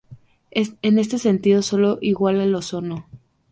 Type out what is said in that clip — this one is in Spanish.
En este sentido, solo lo iguala el ozono.